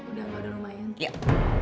udah gak ada rumah yang